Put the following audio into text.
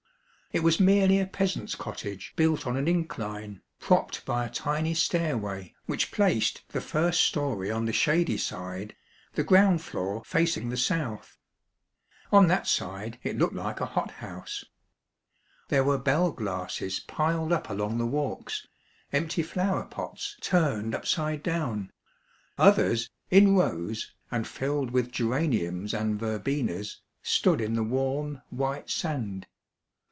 It was merely a peasant's cottage built on an incline, propped by a tiny stairway, which placed the first story on the shady side, the ground floor facing the south. On that side it looked hke 244 Mo7iday Tales, a hothouse. There were bell glasses piled up along the walks, empty flower pots turned upside down; others, in rows and filled with geraniums and verbenas, stood in the warm, white sand.